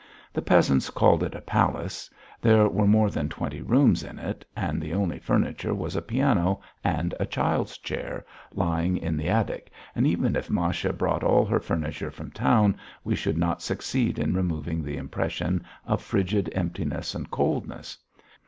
The peasants called it a palace; there were more than twenty rooms in it, and the only furniture was a piano and a child's chair, lying in the attic, and even if Masha brought all her furniture from town we should not succeed in removing the impression of frigid emptiness and coldness.